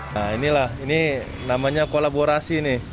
nah inilah ini namanya kolaborasi nih